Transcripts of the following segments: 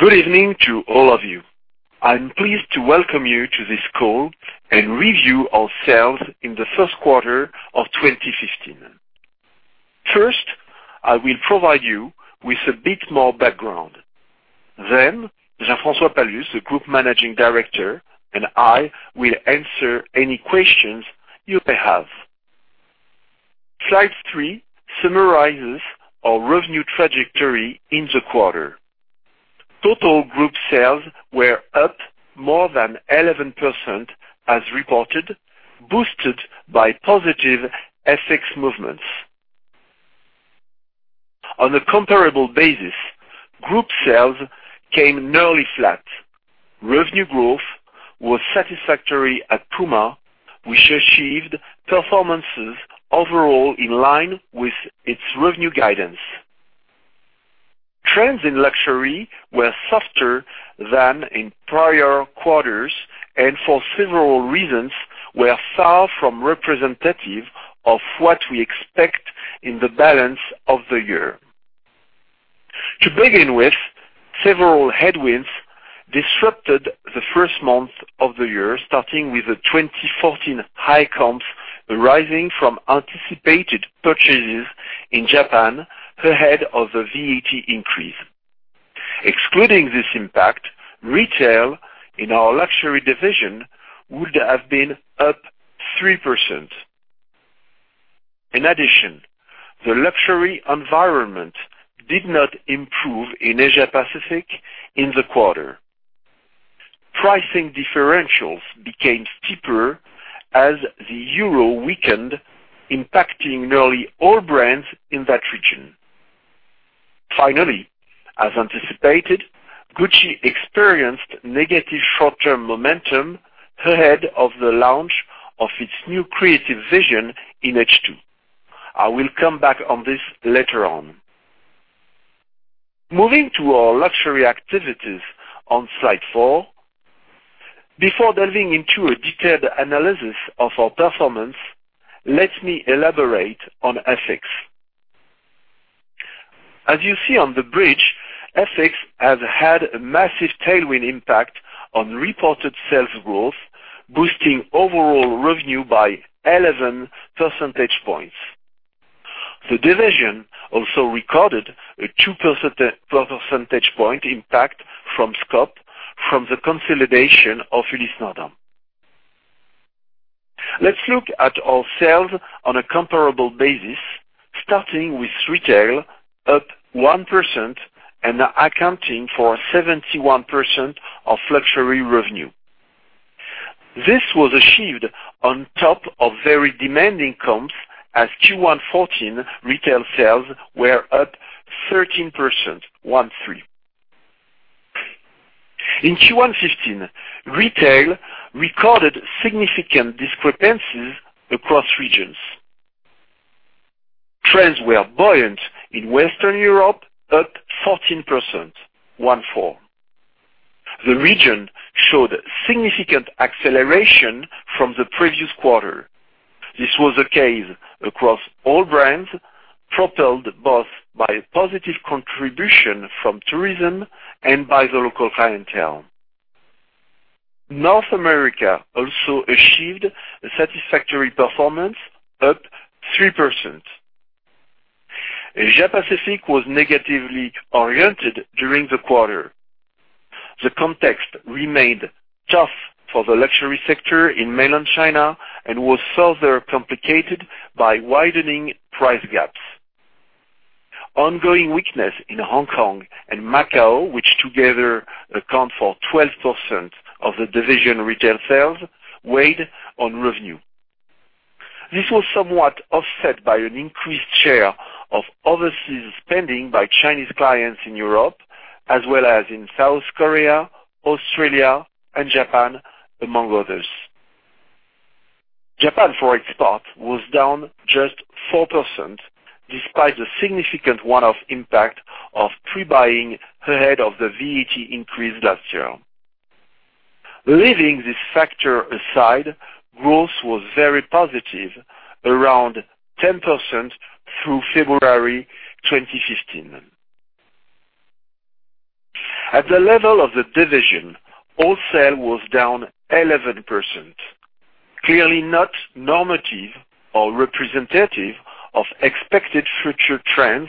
Good evening to all of you. I am pleased to welcome you to this call and review our sales in the first quarter of 2015. First, I will provide you with a bit more background. Then Jean-François Palus, the Group Managing Director, and I will answer any questions you may have. Slide three summarizes our revenue trajectory in the quarter. Total group sales were up more than 11% as reported, boosted by positive FX movements. On a comparable basis, group sales came nearly flat. Revenue growth was satisfactory at Puma, which achieved performances overall in line with its revenue guidance. Trends in luxury were softer than in prior quarters and for several reasons, were far from representative of what we expect in the balance of the year. To begin with, several headwinds disrupted the first month of the year, starting with the 2014 high comps arising from anticipated purchases in Japan ahead of the VAT increase. Excluding this impact, retail in our luxury division would have been up 3%. In addition, the luxury environment did not improve in Asia Pacific in the quarter. Pricing differentials became steeper as the euro weakened, impacting nearly all brands in that region. Finally, as anticipated, Gucci experienced negative short-term momentum ahead of the launch of its new creative vision in H2. I will come back on this later on. Moving to our luxury activities on Slide four. Before delving into a detailed analysis of our performance, let me elaborate on FX. As you see on the bridge, FX has had a massive tailwind impact on reported sales growth, boosting overall revenue by 11 percentage points. The division also recorded a 2 percentage point impact from scope from the consolidation of Ulysse Nardin. Let's look at our sales on a comparable basis, starting with retail up 1% and accounting for 71% of luxury revenue. This was achieved on top of very demanding comps as Q1 2014 retail sales were up 13%. In Q1 2015, retail recorded significant discrepancies across regions. Trends were buoyant in Western Europe, up 14%. The region showed significant acceleration from the previous quarter. This was the case across all brands, propelled both by a positive contribution from tourism and by the local clientele. North America also achieved a satisfactory performance, up 3%. Asia Pacific was negatively oriented during the quarter. The context remained tough for the luxury sector in mainland China and was further complicated by widening price gaps. Ongoing weakness in Hong Kong and Macau, which together account for 12% of the division retail sales, weighed on revenue. This was somewhat offset by an increased share of overseas spending by Chinese clients in Europe, as well as in South Korea, Australia and Japan, among others. Japan, for its part, was down just 4%, despite the significant one-off impact of pre-buying ahead of the VAT increase last year. Leaving this factor aside, growth was very positive, around 10% through February 2015. At the level of the division, wholesale was down 11%, clearly not normative or representative of expected future trends.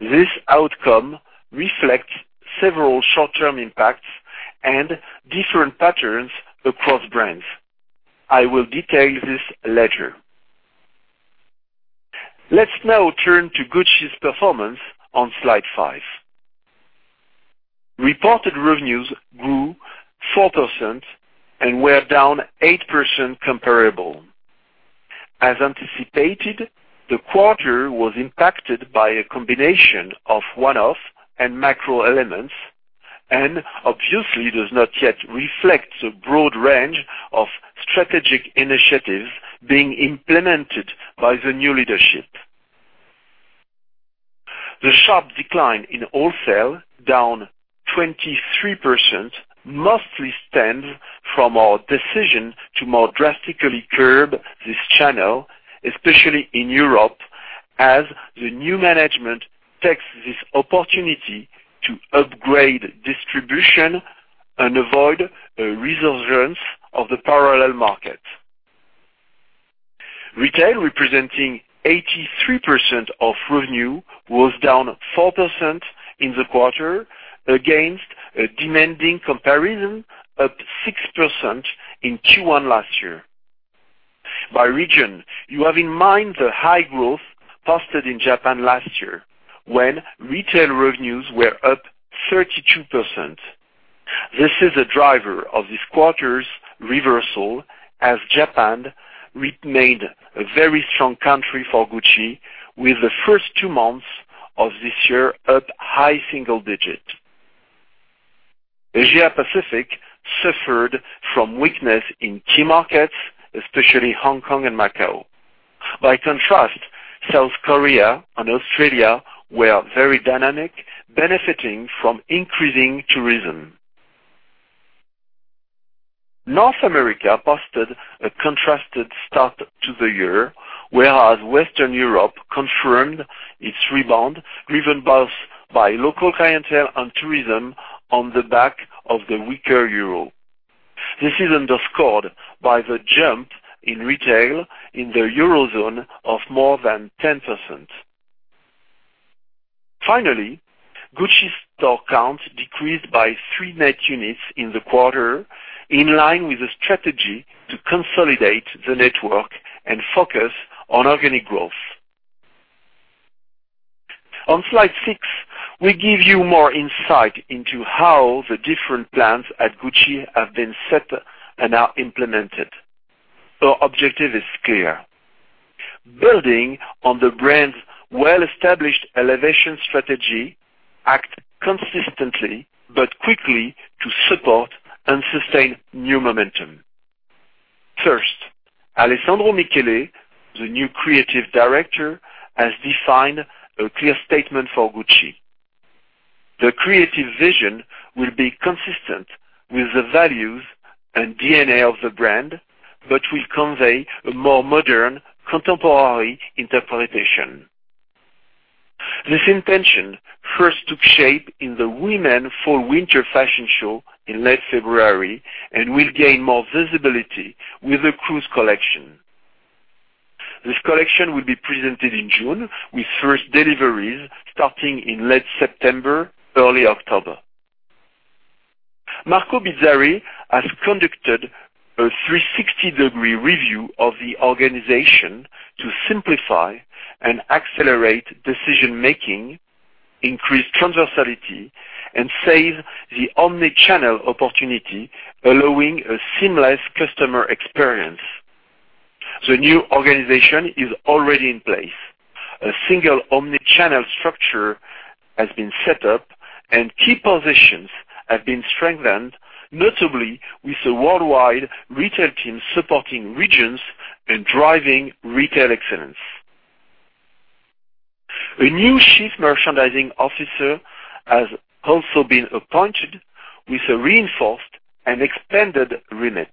This outcome reflects several short-term impacts and different patterns across brands. I will detail this later. Let's now turn to Gucci's performance on Slide five. Reported revenues grew 4% and were down 8% comparable. As anticipated, the quarter was impacted by a combination of one-off and macro elements and obviously does not yet reflect the broad range of strategic initiatives being implemented by the new leadership. The sharp decline in wholesale, down 14.23% mostly stems from our decision to more drastically curb this channel, especially in Europe, as the new management takes this opportunity to upgrade distribution and avoid a resurgence of the parallel market. Retail, representing 83% of revenue, was down 4% in the quarter against a demanding comparison, up 6% in Q1 last year. By region, you have in mind the high growth posted in Japan last year, when retail revenues were up 32%. This is a driver of this quarter's reversal, as Japan remained a very strong country for Gucci, with the first two months of this year up high single digits. Asia Pacific suffered from weakness in key markets, especially Hong Kong and Macau. By contrast, South Korea and Australia were very dynamic, benefiting from increasing tourism. North America posted a contrasted start to the year, whereas Western Europe confirmed its rebound, driven both by local clientele and tourism on the back of the weaker euro. This is underscored by the jump in retail in the eurozone of more than 10%. Finally, Gucci store counts decreased by three net units in the quarter, in line with the strategy to consolidate the network and focus on organic growth. On slide six, we give you more insight into how the different plans at Gucci have been set and are implemented. Our objective is clear. Building on the brand's well-established elevation strategy, act consistently but quickly to support and sustain new momentum. First, Alessandro Michele, the new Creative Director, has defined a clear statement for Gucci. The creative vision will be consistent with the values and DNA of the brand, but will convey a more modern, contemporary interpretation. This intention first took shape in the women fall-winter fashion show in late February and will gain more visibility with a cruise collection. This collection will be presented in June, with first deliveries starting in late September, early October. Marco Bizzarri has conducted a 360-degree review of the organization to simplify and accelerate decision-making, increase transversality, and save the omni-channel opportunity, allowing a seamless customer experience. The new organization is already in place. A single omni-channel structure has been set up and key positions have been strengthened, notably with the worldwide retail team supporting regions and driving retail excellence. A new Chief Merchandising Officer has also been appointed with a reinforced and expanded remit.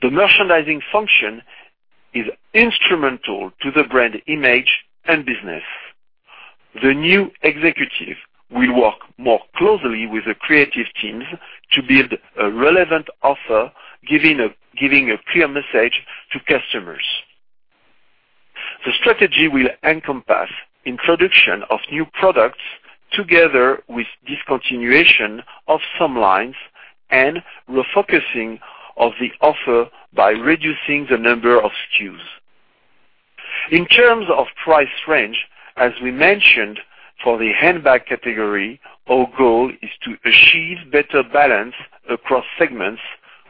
The merchandising function is instrumental to the brand image and business. The new executive will work more closely with the creative teams to build a relevant offer, giving a clear message to customers. The strategy will encompass introduction of new products together with discontinuation of some lines and refocusing of the offer by reducing the number of SKUs. In terms of price range, as we mentioned for the handbag category, our goal is to achieve better balance across segments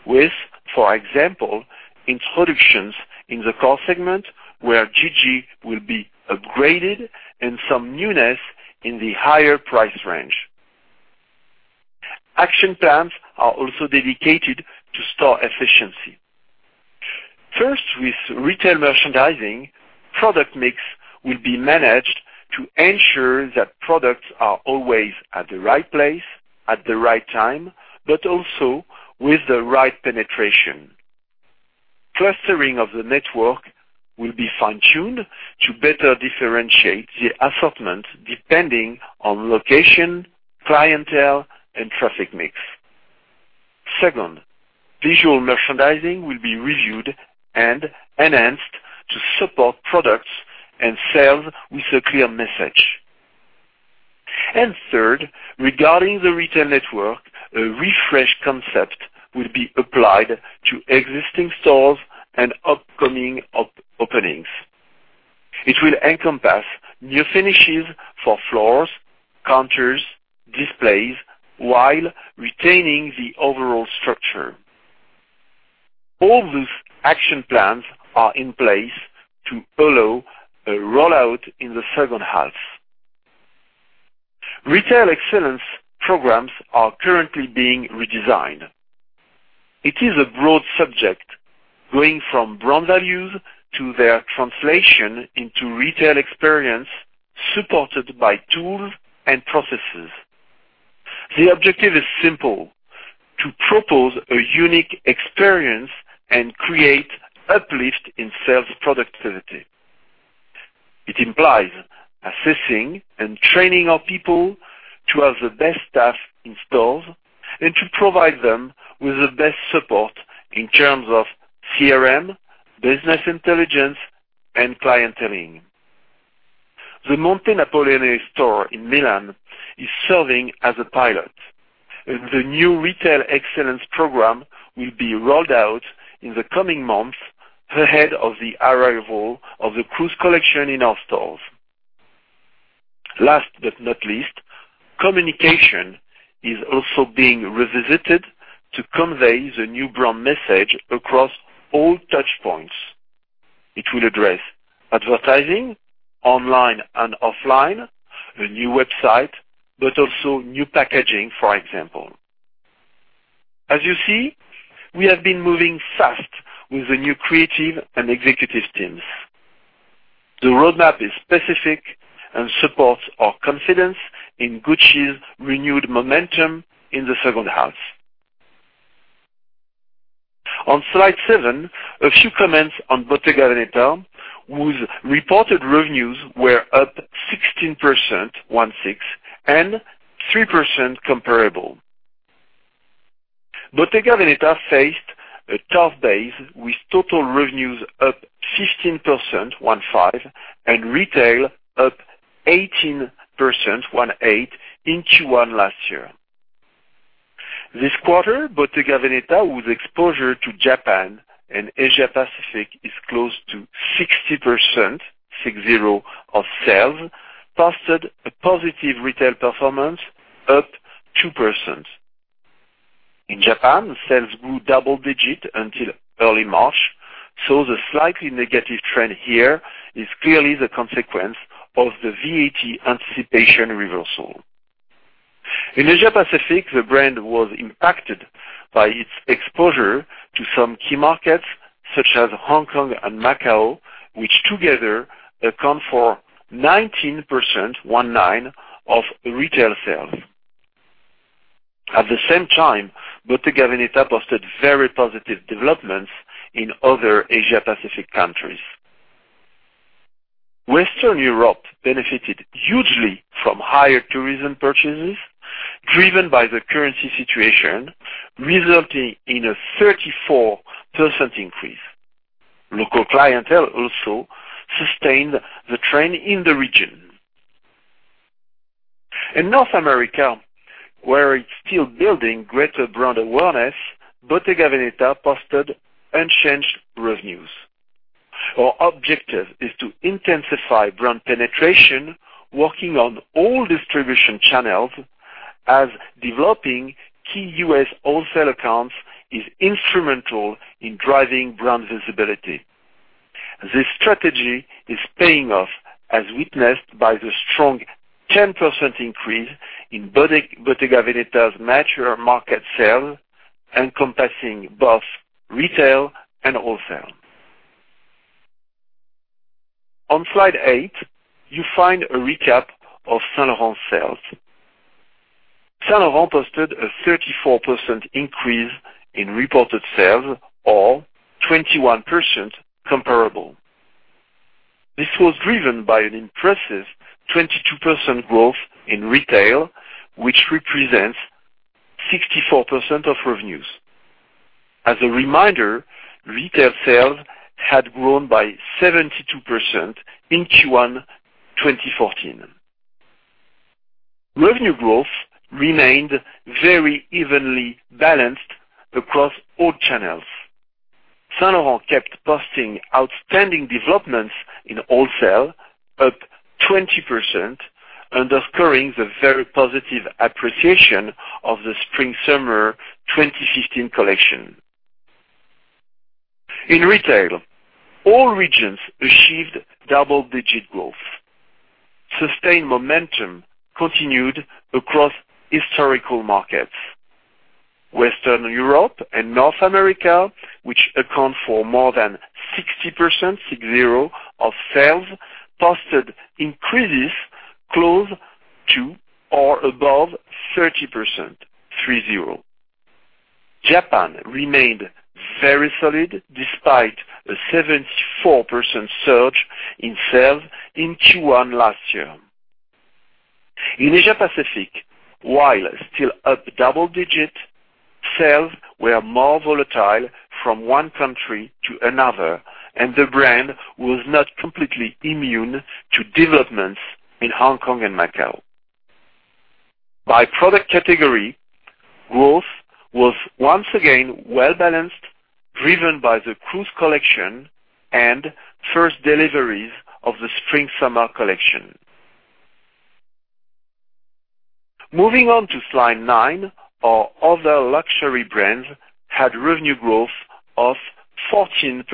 with, for example, introductions in the core segment, where GG will be upgraded and some newness in the higher price range. Action plans are also dedicated to store efficiency. First, with retail merchandising, product mix will be managed to ensure that products are always at the right place at the right time, but also with the right penetration. Clustering of the network will be fine-tuned to better differentiate the assortment depending on location, clientele, and traffic mix. Second, visual merchandising will be reviewed and enhanced to support products and sales with a clear message. Third, regarding the retail network, a refresh concept will be applied to existing stores and upcoming openings. It will encompass new finishes for floors, counters, displays, while retaining the overall structure. All these action plans are in place to allow a rollout in the second half. Retail Excellence programs are currently being redesigned. It is a broad subject, going from brand values to their translation into retail experience supported by tools and processes. The objective is simple: to propose a unique experience and create uplift in sales productivity. It implies assessing and training our people to have the best staff in stores and to provide them with the best support in terms of CRM, business intelligence, and clienteling. The Monte Napoleone store in Milan is serving as a pilot. The new Retail Excellence program will be rolled out in the coming months ahead of the arrival of the cruise collection in our stores. Last but not least, communication is also being revisited to convey the new brand message across all touchpoints. It will address advertising, online and offline, the new website, but also new packaging, for example. As you see, we have been moving fast with the new creative and executive teams. The roadmap is specific and supports our confidence in Gucci's renewed momentum in the second half. On slide seven, a few comments on Bottega Veneta, whose reported revenues were up 16% and 3% comparable. Bottega Veneta faced a tough base, with total revenues up 15% and retail up 18% in Q1 last year. This quarter, Bottega Veneta, whose exposure to Japan and Asia Pacific is close to 60% of sales, posted a positive retail performance, up 2%. In Japan, sales grew double digit until early March, so the slightly negative trend here is clearly the consequence of the VAT anticipation reversal. In Asia Pacific, the brand was impacted by its exposure to some key markets, such as Hong Kong and Macau, which together account for 19% of retail sales. At the same time, Bottega Veneta posted very positive developments in other Asia Pacific countries. Western Europe benefited hugely from higher tourism purchases, driven by the currency situation, resulting in a 34% increase. Local clientele also sustained the trend in the region. In North America, where it's still building greater brand awareness, Bottega Veneta posted unchanged revenues. Our objective is to intensify brand penetration, working on all distribution channels as developing key U.S. wholesale accounts is instrumental in driving brand visibility. This strategy is paying off, as witnessed by the strong 10% increase in Bottega Veneta's mature market sales, encompassing both retail and wholesale. On slide eight, you find a recap of Saint Laurent sales. Saint Laurent posted a 34% increase in reported sales, or 21% comparable. This was driven by an impressive 22% growth in retail, which represents 64% of revenues. As a reminder, retail sales had grown by 72% in Q1 2014. Revenue growth remained very evenly balanced across all channels. Saint Laurent kept posting outstanding developments in wholesale, up 20%, underscoring the very positive appreciation of the spring-summer 2015 collection. In retail, all regions achieved double-digit growth. Sustained momentum continued across historical markets. Western Europe and North America, which account for more than 60% of sales, posted increases close to or above 30%. Japan remained very solid despite a 74% surge in sales in Q1 last year. In Asia Pacific, while still up double digit, sales were more volatile from one country to another, and the brand was not completely immune to developments in Hong Kong and Macau. By product category, growth was once again well-balanced, driven by the cruise collection and first deliveries of the spring-summer collection. Moving on to slide nine. Our other luxury brands had revenue growth of 14%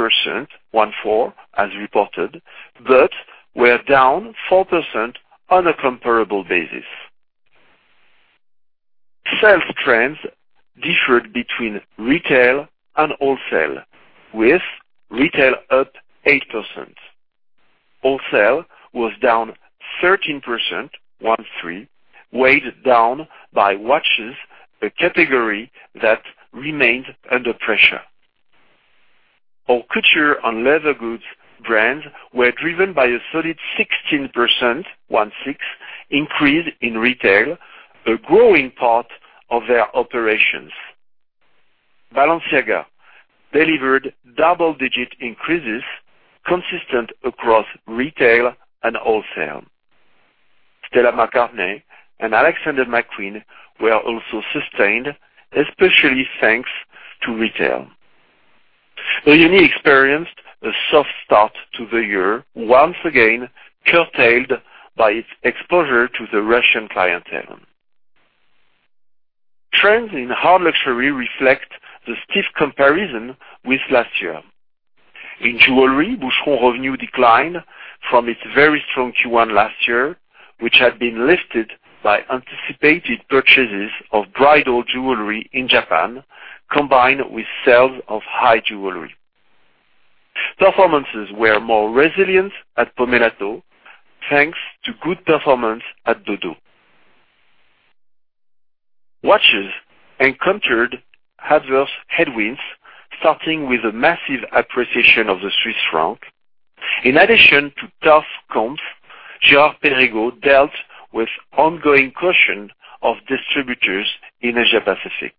as reported, but were down 4% on a comparable basis. Sales trends differed between retail and wholesale, with retail up 8%. Wholesale was down 13%, weighed down by watches, a category that remained under pressure. Our couture and leather goods brands were driven by a solid 16% increase in retail, a growing part of their operations. Balenciaga delivered double-digit increases consistent across retail and wholesale. Stella McCartney and Alexander McQueen were also sustained, especially thanks to retail. Loewe experienced a soft start to the year, once again curtailed by its exposure to the Russian clientele. Trends in hard luxury reflect the stiff comparison with last year. In jewelry, Boucheron revenue declined from its very strong Q1 last year, which had been lifted by anticipated purchases of bridal jewelry in Japan, combined with sales of high jewelry. Performances were more resilient at Pomellato, thanks to good performance at Dodo. Watches encountered adverse headwinds, starting with the massive appreciation of the Swiss franc. In addition to tough comps, Girard-Perregaux dealt with ongoing caution of distributors in Asia-Pacific.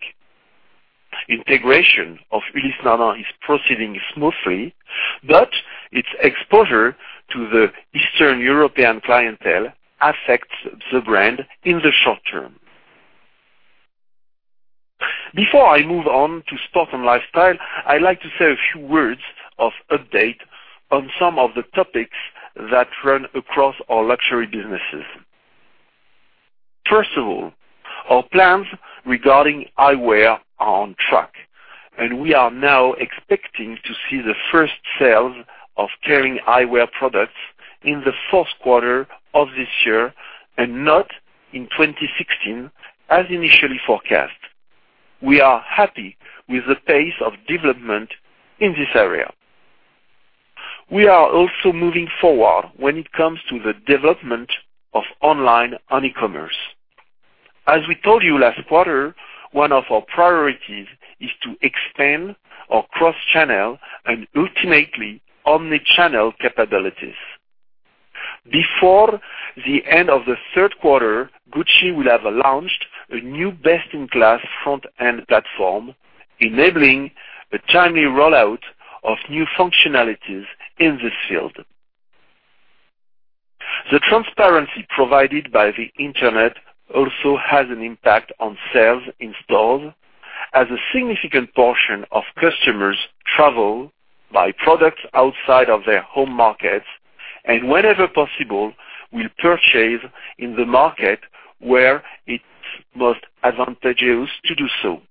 Integration of Ulysse Nardin is proceeding smoothly, but its exposure to the Eastern European clientele affects the brand in the short term. Before I move on to sport and lifestyle, I'd like to say a few words of update on some of the topics that run across our luxury businesses. First of all, our plans regarding eyewear are on track, and we are now expecting to see the first sales of Kering Eyewear products in the fourth quarter of this year and not in 2016 as initially forecast. We are happy with the pace of development in this area. We are also moving forward when it comes to the development of online and e-commerce. As we told you last quarter, one of our priorities is to expand our cross-channel and ultimately omni-channel capabilities. Before the end of the third quarter, Gucci will have launched a new best-in-class front-end platform, enabling a timely rollout of new functionalities in this field. The transparency provided by the Internet also has an impact on sales in stores, as a significant portion of customers travel, buy products outside of their home markets, and whenever possible, will purchase in the market where it's most advantageous to do so.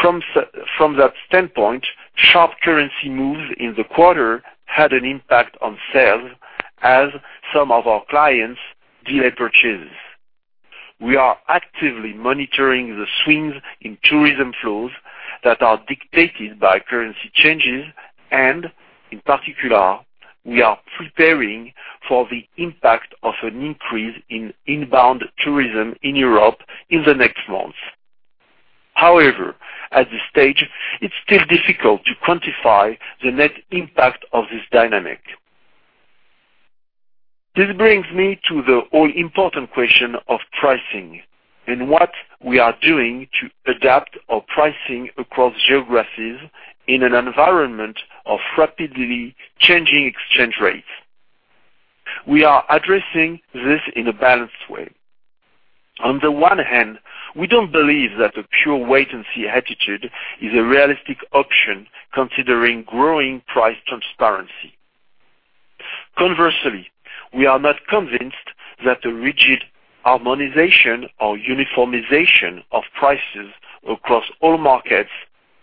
From that standpoint, sharp currency moves in the quarter had an impact on sales as some of our clients delayed purchases. We are actively monitoring the swings in tourism flows that are dictated by currency changes, and in particular, we are preparing for the impact of an increase in inbound tourism in Europe in the next months. However, at this stage, it's still difficult to quantify the net impact of this dynamic. This brings me to the all-important question of pricing and what we are doing to adapt our pricing across geographies in an environment of rapidly changing exchange rates. We are addressing this in a balanced way. On the one hand, we don't believe that a pure wait-and-see attitude is a realistic option considering growing price transparency. Conversely, we are not convinced that a rigid harmonization or uniformization of prices across all markets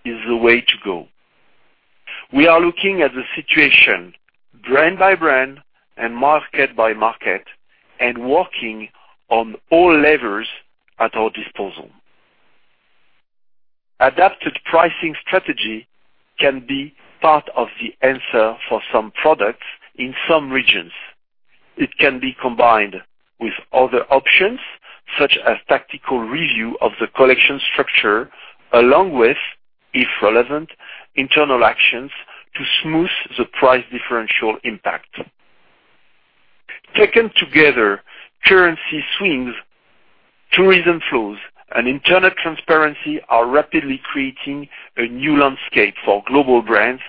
is the way to go. We are looking at the situation brand by brand and market by market and working on all levers at our disposal. Adapted pricing strategy can be part of the answer for some products in some regions. It can be combined with other options, such as tactical review of the collection structure, along with, if relevant, internal actions to smooth the price differential impact. Taken together, currency swings, tourism flows, and internet transparency are rapidly creating a new landscape for global brands,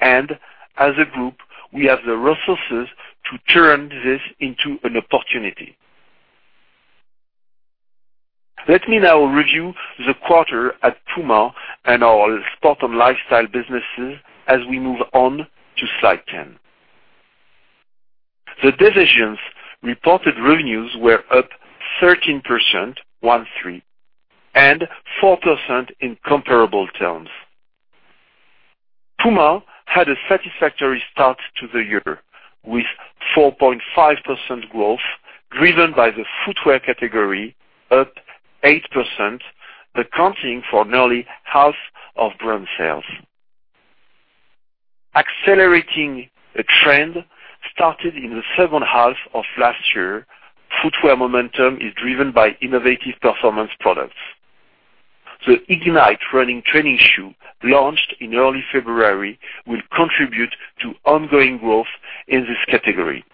and as a group, we have the resources to turn this into an opportunity. Let me now review the quarter at Puma and our sport and lifestyle businesses as we move on to slide 10. The division's reported revenues were up 13%, one three, and 4% in comparable terms. Puma had a satisfactory start to the year, with 4.5% growth driven by the footwear category, up 8%, accounting for nearly half of brand sales. Accelerating a trend started in the second half of last year, footwear momentum is driven by innovative performance products. The Ignite running training shoe, launched in early February, will contribute to ongoing growth in this category.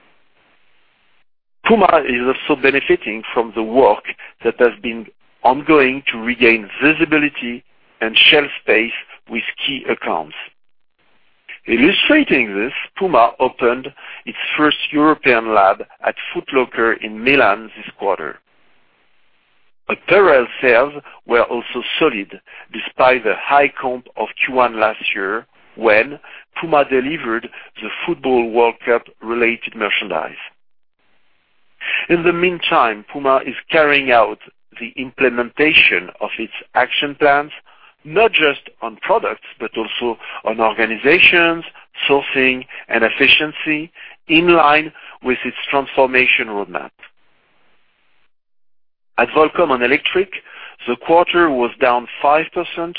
Puma is also benefiting from the work that has been ongoing to regain visibility and shelf space with key accounts. Illustrating this, Puma opened its first European lab at Foot Locker in Milan this quarter. Apparel sales were also solid, despite the high comp of Q1 last year, when Puma delivered the Football World Cup-related merchandise. In the meantime, Puma is carrying out the implementation of its action plans, not just on products, but also on organizations, sourcing, and efficiency, in line with its transformation roadmap. At Volcom and Electric, the quarter was down 5%,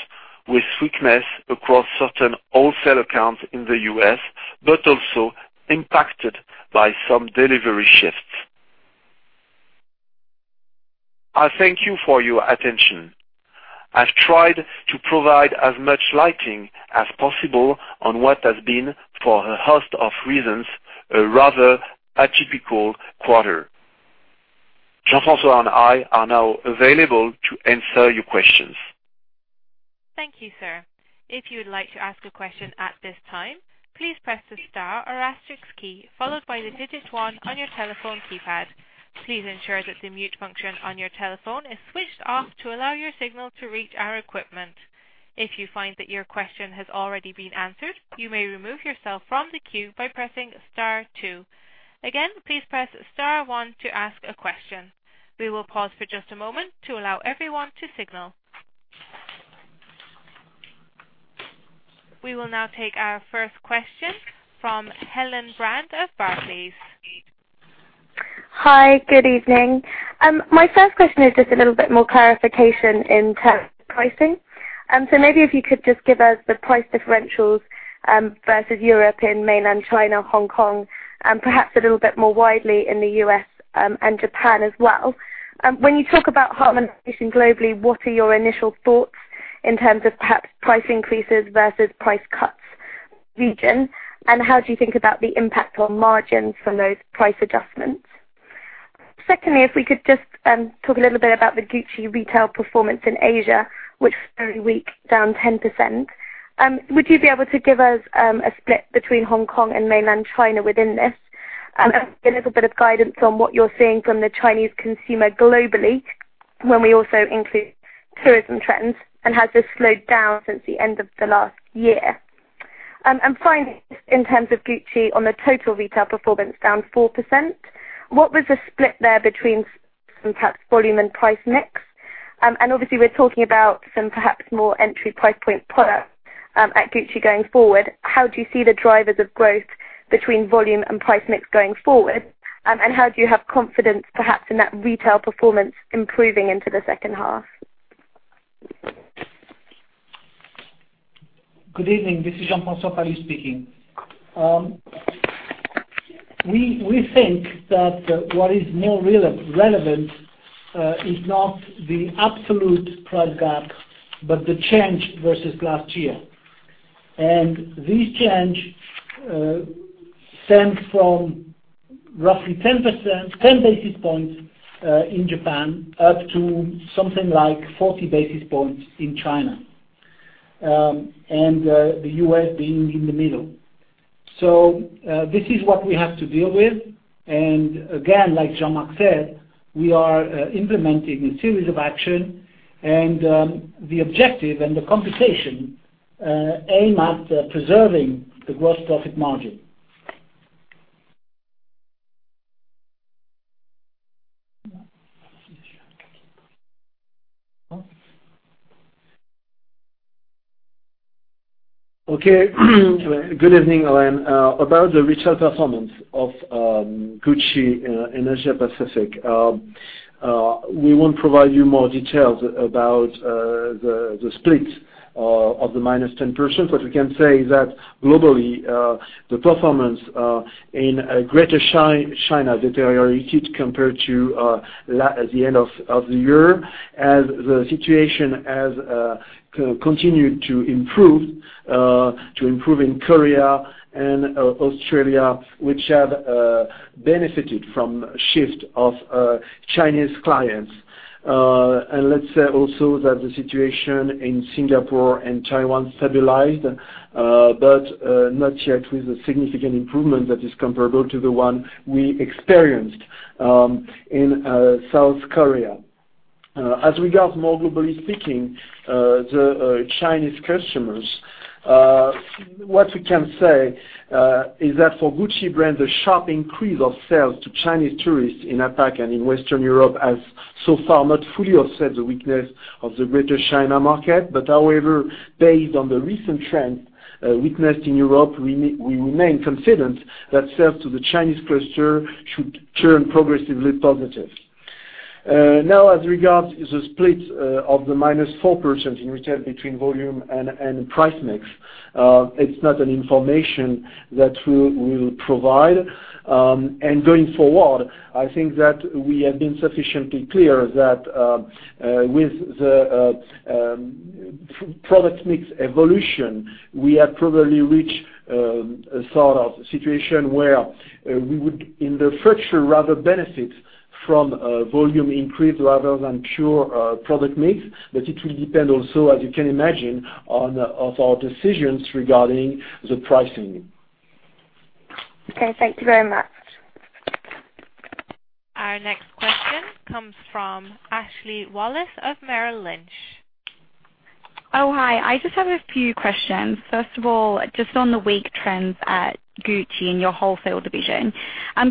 with weakness across certain wholesale accounts in the U.S., but also impacted by some delivery shifts. I thank you for your attention. I've tried to provide as much lighting as possible on what has been, for a host of reasons, a rather atypical quarter. Jean-François and I are now available to answer your questions. Thank you, sir. If you would like to ask a question at this time, please press the star or asterisk key, followed by the digit one on your telephone keypad. Please ensure that the mute function on your telephone is switched off to allow your signal to reach our equipment. If you find that your question has already been answered, you may remove yourself from the queue by pressing star two. Again, please press star one to ask a question. We will pause for just a moment to allow everyone to signal. We will now take our first question from Helen Brand of Barclays. Hi, good evening. My first question is just a little bit more clarification in terms of pricing. Maybe if you could just give us the price differentials versus Europe in mainland China, Hong Kong, and perhaps a little bit more widely in the U.S. and Japan as well. When you talk about harmonization globally, what are your initial thoughts in terms of perhaps price increases versus price cuts region, and how do you think about the impact on margins from those price adjustments? Secondly, if we could just talk a little bit about the Gucci retail performance in Asia, which was very weak, down 10%. Would you be able to give us a split between Hong Kong and mainland China within this? A little bit of guidance on what you're seeing from the Chinese consumer globally, when we also include tourism trends. Has this slowed down since the end of the last year? Finally, in terms of Gucci on the total retail performance, down 4%. What was the split there between perhaps volume and price mix? Obviously, we're talking about some perhaps more entry price point products at Gucci going forward. How do you see the drivers of growth between volume and price mix going forward? How do you have confidence, perhaps in that retail performance improving into the second half? Good evening. This is Jean-François Palus speaking. We think that what is more relevant is not the absolute price gap, but the change versus last year. This change stems from roughly 10 basis points in Japan up to something like 40 basis points in China, and the U.S. being in the middle. This is what we have to deal with. Again, like Jean-Marc said, we are implementing a series of action and the objective and the compensation aim at preserving the gross profit margin. Okay. Good evening, Helen. About the retail performance of Gucci in Asia Pacific, we won't provide you more details about the split of the minus 10%, but we can say that globally, the performance in Greater China deteriorated compared to the end of the year as the situation has continued to improve in Korea and Australia, which have benefited from shift of Chinese clients. Let's say also that the situation in Singapore and Taiwan stabilized, but not yet with a significant improvement that is comparable to the one we experienced in South Korea. As regards more globally speaking, the Chinese customers, what we can say is that for Gucci brand, the sharp increase of sales to Chinese tourists in APAC and in Western Europe has so far not fully offset the weakness of the Greater China market. However, based on the recent trend witnessed in Europe, we remain confident that sales to the Chinese cluster should turn progressively positive. As regards the split of the -4% in retail between volume and price mix, it's not an information that we will provide. Going forward, I think that we have been sufficiently clear that with the product mix evolution, we have probably reached a sort of situation where we would, in the future, rather benefit from volume increase rather than pure product mix. It will depend also, as you can imagine, on our decisions regarding the pricing. Okay, thank you very much. Our next question comes from Ashley Wallace of Merrill Lynch. Hi. I just have a few questions. First of all, just on the weak trends at Gucci in your wholesale division.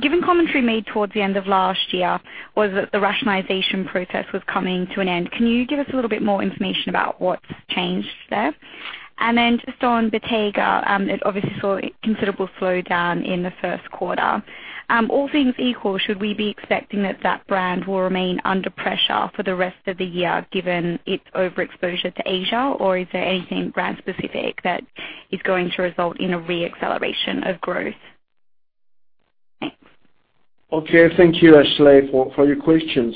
Given commentary made towards the end of last year was that the rationalization process was coming to an end. Can you give us a little bit more information about what's changed there? Then just on Bottega, it obviously saw a considerable slowdown in the first quarter. All things equal, should we be expecting that that brand will remain under pressure for the rest of the year, given its overexposure to Asia, or is there anything brand specific that is going to result in a re-acceleration of growth? Thanks. Okay. Thank you, Ashley, for your questions.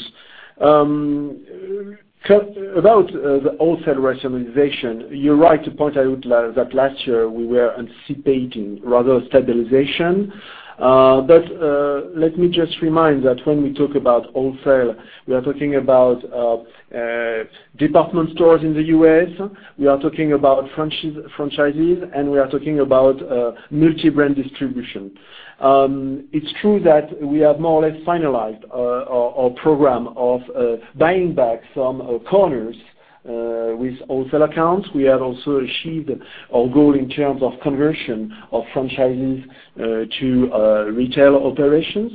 About the wholesale rationalization, you're right to point out that last year we were anticipating rather stabilization. Let me just remind that when we talk about wholesale, we are talking about department stores in the U.S., we are talking about franchises, and we are talking about multi-brand distribution. It's true that we have more or less finalized our program of buying back some corners with wholesale accounts. We have also achieved our goal in terms of conversion of franchises to retail operations.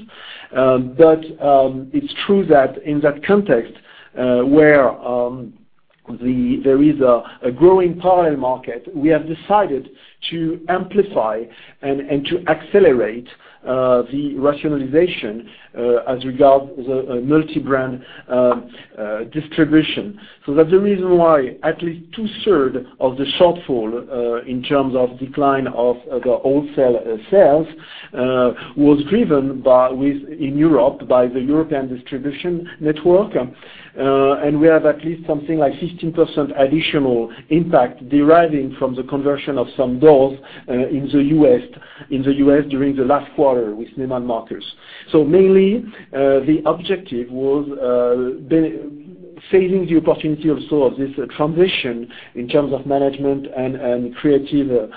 It's true that in that context, where there is a growing parallel market, we have decided to amplify and to accelerate the rationalization as regard the multi-brand distribution. That's the reason why at least two-third of the shortfall in terms of decline of the wholesale sales was driven in Europe by the European distribution network. We have at least something like 15% additional impact deriving from the conversion of some doors in the U.S. during the last quarter with Neiman Marcus. Mainly, the objective was seizing the opportunity also of this transition in terms of management and creative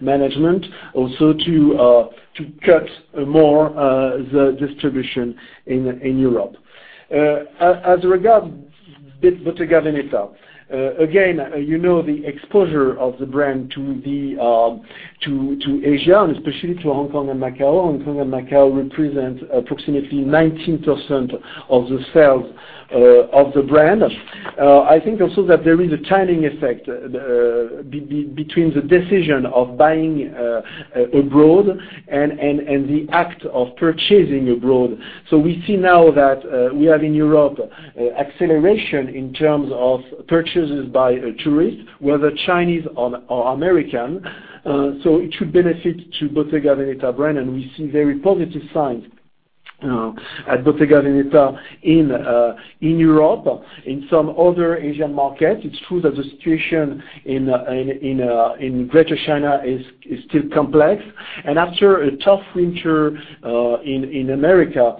management, also to cut more the distribution in Europe. As regard Bottega Veneta, again you know the exposure of the brand to Asia, and especially to Hong Kong and Macau. Hong Kong and Macau represent approximately 19% of the sales of the brand. I think also that there is a timing effect between the decision of buying abroad and the act of purchasing abroad. We see now that we have in Europe acceleration in terms of purchases by tourists, whether Chinese or American. It should benefit to Bottega Veneta brand, and we see very positive signs at Bottega Veneta in Europe. In some other Asian markets, it's true that the situation in Greater China is still complex. After a tough winter in America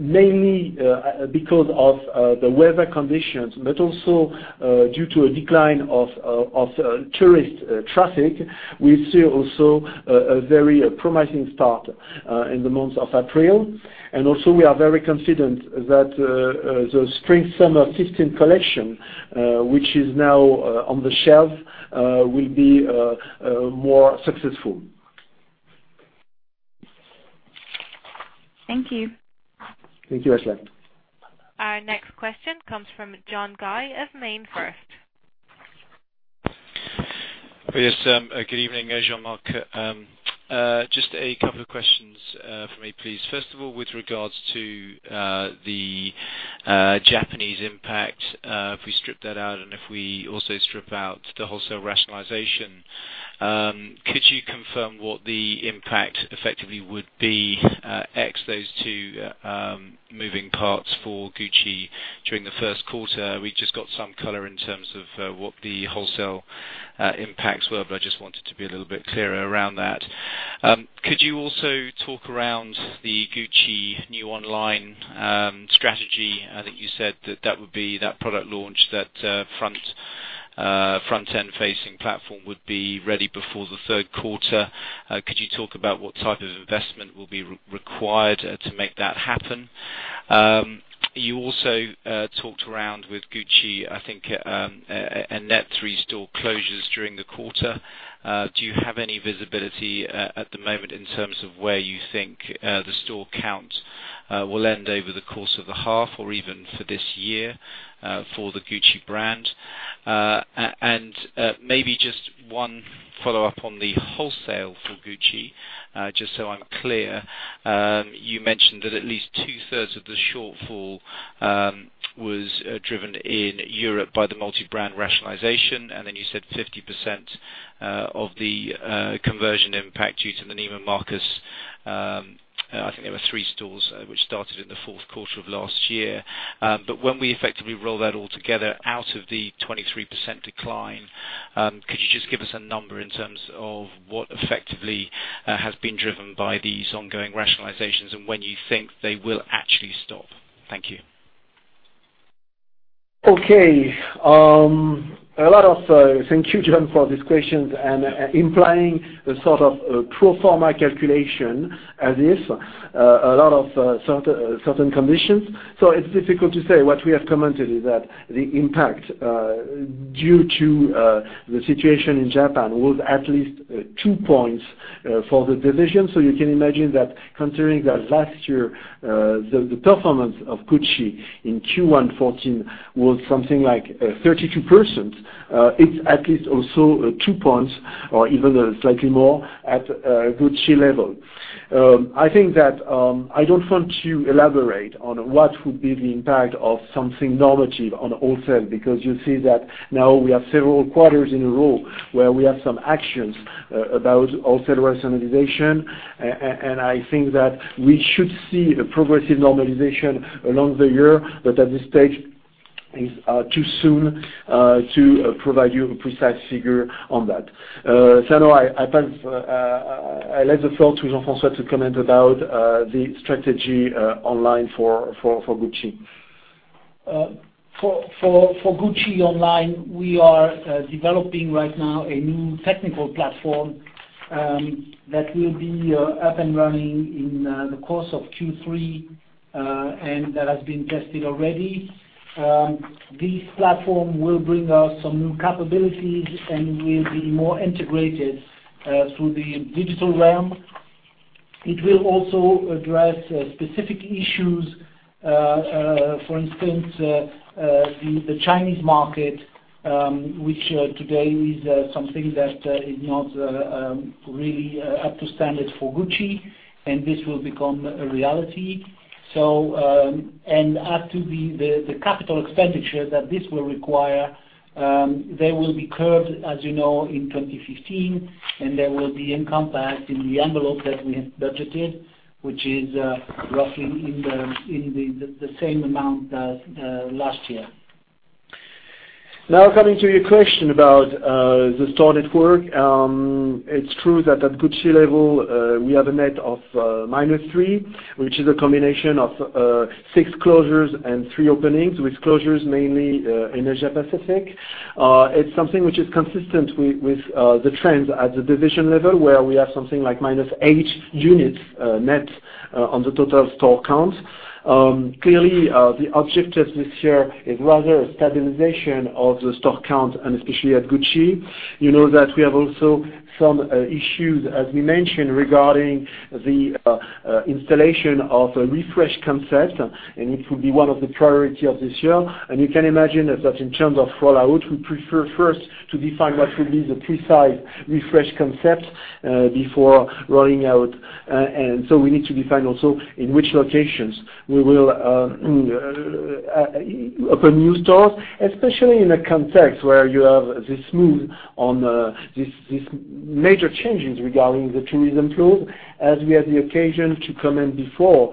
mainly because of the weather conditions, but also due to a decline of tourist traffic, we see also a very promising start in the month of April. Also, we are very confident that the Spring/Summer 2015 collection, which is now on the shelf will be more successful. Thank you. Thank you, Ashley. Our next question comes from John Guy of MainFirst. Yes. Good evening, Jean-Marc. Just a couple of questions from me, please. First of all, with regards to the Japanese impact, if we strip that out and if we also strip out the wholesale rationalization, could you confirm what the impact effectively would be, ex those two moving parts for Gucci during the first quarter? We just got some color in terms of what the wholesale impacts were, but I just wanted to be a little bit clearer around that. Could you also talk around the Gucci new online strategy? I think you said that product launch, that front-end facing platform would be ready before the third quarter. Could you talk about what type of investment will be required to make that happen? You also talked around with Gucci, I think, a net three store closures during the quarter. Do you have any visibility at the moment in terms of where you think the store count will end over the course of the half or even for this year for the Gucci brand? Maybe just one follow-up on the wholesale for Gucci, just so I'm clear. You mentioned that at least two-thirds of the shortfall was driven in Europe by the multi-brand rationalization, then you said 50% of the conversion impact due to the Neiman Marcus. I think there were three stores which started in the fourth quarter of last year. When we effectively roll that all together out of the 23% decline, could you just give us a number in terms of what effectively has been driven by these ongoing rationalizations and when you think they will actually stop? Thank you. Okay. Thank you, John, for this question and implying the sort of pro forma calculation as is a lot of certain conditions. It's difficult to say. What we have commented is that the impact due to the situation in Japan was at least two points for the division. You can imagine that considering that last year, the performance of Gucci in Q1 2014 was something like 32%. It's at least also two points or even slightly more at Gucci level. I think that I don't want to elaborate on what would be the impact of something normative on the wholesale, because you see that now we have several quarters in a row where we have some actions about wholesale rationalization. I think that we should see a progressive normalization along the year. At this stage, it's too soon to provide you a precise figure on that. [inaudible] I leave the floor to Jean-François to comment about the strategy online for Gucci. For Gucci online, we are developing right now a new technical platform that will be up and running in the course of Q3, and that has been tested already. This platform will bring us some new capabilities and will be more integrated through the digital realm. It will also address specific issues, for instance, the Chinese market which today is something that is not really up to standard for Gucci, and this will become a reality. As to the capital expenditure that this will require, they will be curbed, as you know, in 2015, and they will be encompassed in the envelope that we have budgeted, which is roughly in the same amount as last year. Coming to your question about the store network. It's true that at Gucci level, we have a net of minus three, which is a combination of six closures and three openings, with closures mainly in Asia-Pacific. It's something which is consistent with the trends at the division level, where we have something like minus eight units net on the total store count. Clearly, the objective this year is rather a stabilization of the store count and especially at Gucci. You know that we have also some issues, as we mentioned, regarding the installation of a refresh concept, and it will be one of the priorities of this year. You can imagine that in terms of rollout, we prefer first to define what will be the precise refresh concept before rolling out. We need to define also in which locations we will open new stores, especially in a context where you have this move on these major changes regarding the tourism flow. As we had the occasion to comment before,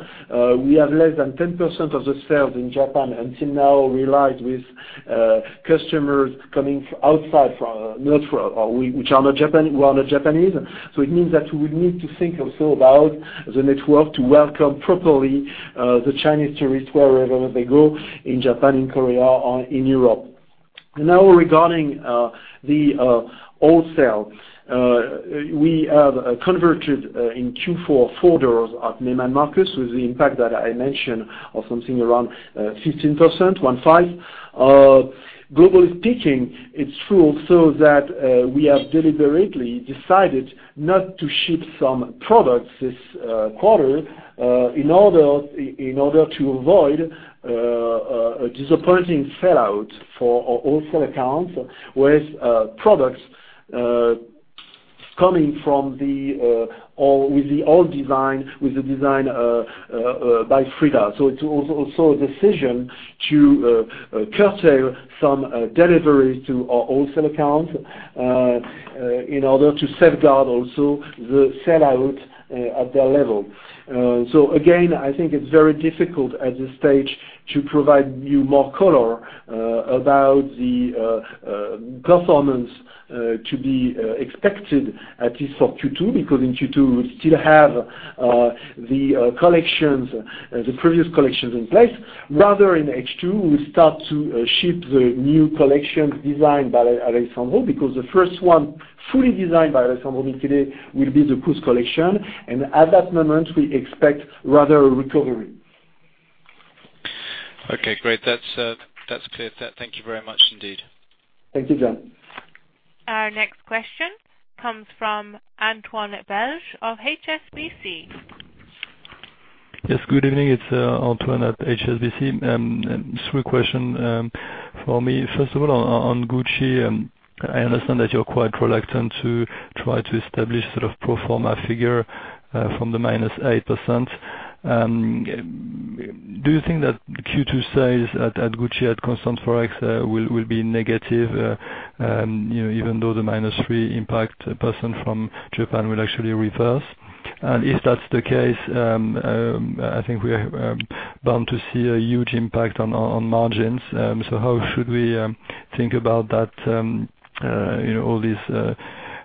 we have less than 10% of the sales in Japan, and till now relied with customers coming from outside, which are not Japanese. It means that we need to think also about the network to welcome properly the Chinese tourists wherever they go in Japan, in Korea, or in Europe. Now regarding the wholesale. We have converted in Q4 four doors at Neiman Marcus with the impact that I mentioned of something around 15%, one-five. Globally speaking, it's true so that we have deliberately decided not to ship some products this quarter in order to avoid a disappointing sellout for our wholesale accounts with products coming with the old design, with the design by Frida. It's also a decision to curtail some deliveries to our wholesale accounts in order to safeguard also the sellout at their level. Again, I think it's very difficult at this stage to provide you more color about the performance to be expected, at least for Q2, because in Q2, we still have the previous collections in place. Rather in H2, we start to ship the new collection designed by Alessandro because the first one fully designed by Alessandro Michele will be the cruise collection, and at that moment, we expect rather a recovery. Okay, great. That's cleared. Thank you very much indeed. Thank you, John. Our next question comes from Antoine Belge of HSBC. Yes, good evening. It's Antoine at HSBC. Three questions for me. First of all, on Gucci, I understand that you're quite reluctant to try to establish pro forma figure from the minus 8%. Do you think that Q2 sales at Gucci at constant ForEx will be negative, even though the minus three impact % from Japan will actually reverse? If that's the case, I think we are bound to see a huge impact on margins. How should we think about that, all this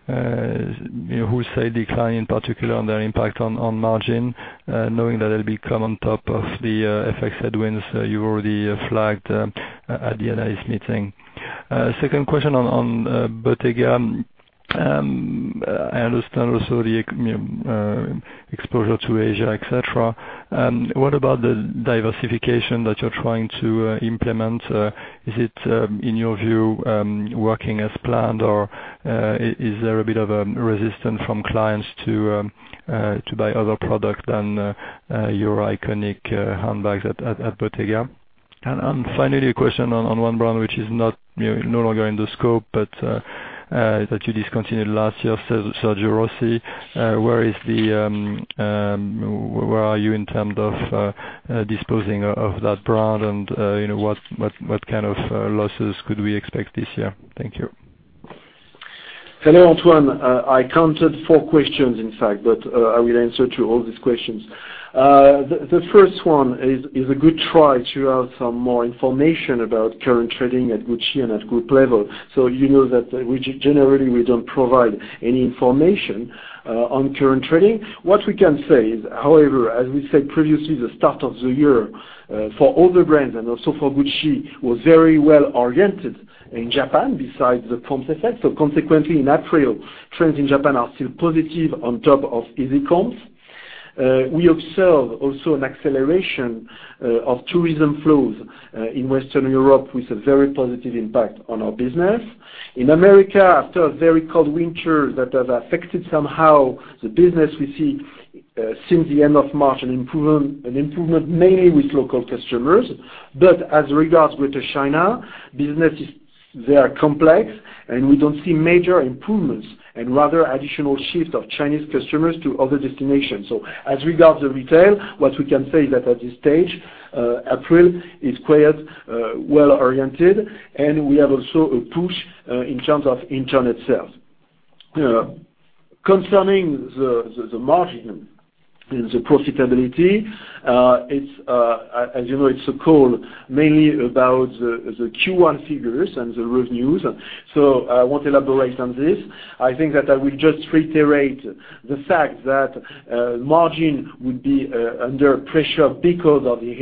wholesale decline particular on their impact on margin, knowing that it'll be come on top of the FX headwinds you already flagged at the analyst meeting. Second question on Bottega. I understand also the exposure to Asia, et cetera. What about the diversification that you're trying to implement? Is it, in your view, working as planned, or is there a bit of a resistance from clients to buy other products than your iconic handbags at Bottega? Finally, a question on one brand, which is no longer in the scope, but that you discontinued last year, Sergio Rossi. Where are you in terms of disposing of that brand and what kind of losses could we expect this year? Thank you. Hello, Antoine. I counted four questions, in fact, but I will answer to all these questions. The first one is a good try to have some more information about current trading at Gucci and at group level. You know that, which generally we don't provide any information on current trading. What we can say is, however, as we said previously, the start of the year for all the brands and also for Gucci, was very well-oriented in Japan besides the comps effect. Consequently, in April, trends in Japan are still positive on top of easy comps. We observe also an acceleration of tourism flows in Western Europe with a very positive impact on our business. In America, after a very cold winter that has affected somehow the business, we see since the end of March, an improvement mainly with local customers. As regards with China, business there are complex, we don't see major improvements and rather additional shifts of Chinese customers to other destinations. As regards the retail, what we can say is that at this stage, April is quite well-oriented, and we have also a push in terms of Internet sales. Concerning the margin and the profitability, as you know, it's a call mainly about the Q1 figures and the revenues. I won't elaborate on this. I think I will just reiterate the fact that margin would be under pressure because of the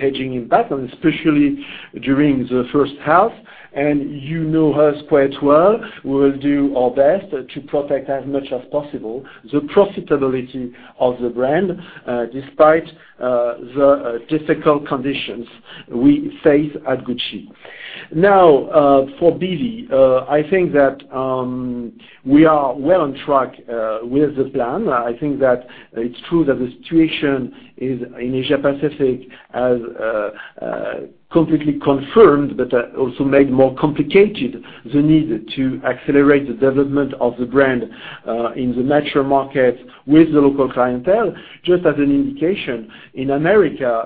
hedging impact, and especially during the first half. You know us quite well. We'll do our best to protect as much as possible the profitability of the brand despite the difficult conditions we face at Gucci. For BV, I think we are well on track with the plan. I think it's true that the situation in Asia Pacific has completely confirmed, but also made more complicated the need to accelerate the development of the brand in the natural market with the local clientele. Just as an indication, in America,